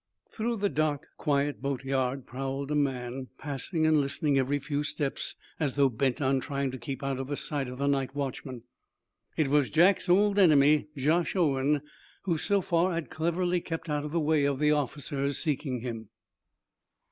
Through the dark, quiet boat yard prowled a man, pausing and listening every few steps, as though bent on trying to keep out of the sight of the night watchman. It was Jack's old enemy, Josh Owen, who, so far, had cleverly kept out of the way of the officers seeking him.